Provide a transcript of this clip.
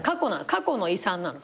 過去の遺産なのそれは。